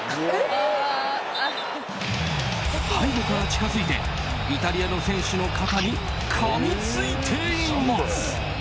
背後から近付いてイタリアの選手の肩にかみついています。